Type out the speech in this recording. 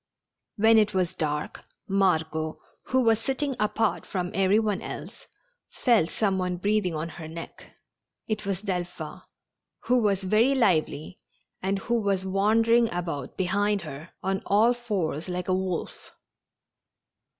When it was dark, Margot, who MORE JOLLIFICATION. 225 was sitting apart from every one else, felt some one breathing on her neck. It was Delphin, who was very lively, and who was wandering about behind her, on all fours like a wolf.